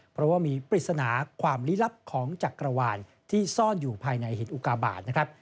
เพราะว่ามีปริศนาความลี้ลับของจักรวาลที่ซ่อนอยู่ภายในหินอุกาบาทนะครับ